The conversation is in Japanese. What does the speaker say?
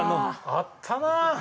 あったな。